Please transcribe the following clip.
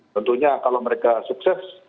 tentunya kalau mereka sukses